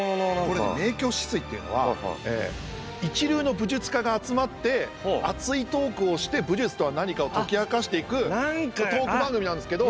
これ「明鏡止水」っていうのは一流の武術家が集まって熱いトークをして武術とは何かを解き明かしていくトーク番組なんですけど。